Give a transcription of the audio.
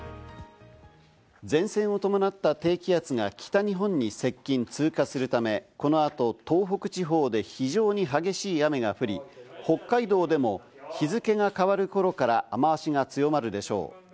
前線を伴った低気圧が北日本に接近、通過するためこの後、東北地方で非常に激しい雨が降り、北海道でも日付が変わる頃から雨脚が強まるでしょう。